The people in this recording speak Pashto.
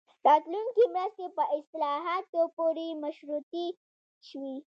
راتلونکې مرستې په اصلاحاتو پورې مشروطې شوې.